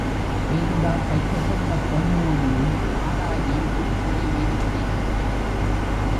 ஏதுடா கைக் கொசந்தப் பொண்ணு ஒண்னு ஆளாயி வீட்டுலே இருக்கெ!